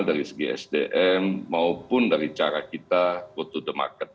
dari segi sdm maupun dari cara kita go to the market